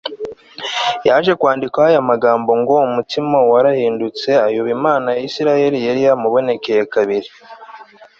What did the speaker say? yaje kwandikwaho aya magambo ngo umutima we warahindutse uyoba imana ya isirayeli yari yaramubonekeye kabiri